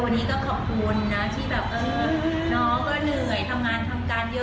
วันนี้ก็ขอบคุณนะที่แบบเออน้องก็เหนื่อยทำงานทำการเยอะ